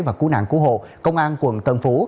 và cứu nạn cứu hộ công an quận tân phú